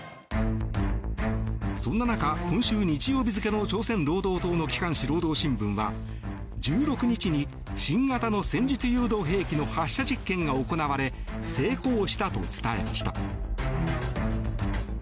そんな中、今週日曜日付の朝鮮労働党の機関紙、労働新聞は１６日に新型の戦術誘導兵器の発射実験が行われ成功したと伝えました。